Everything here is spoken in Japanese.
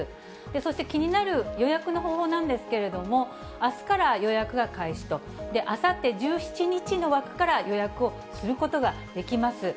そして気になる予約の方法なんですけれども、あすから予約が開始と、あさって１７日の枠から予約をすることができます。